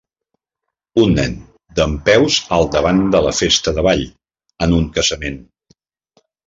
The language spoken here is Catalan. Un nen dempeus al davant de la festa de ball en un casament.